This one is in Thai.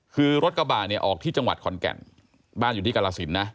คือรถกระบะเนี่ยออกที่จังหวัดขอนแก่นบ้านอยู่ที่กรสินนะ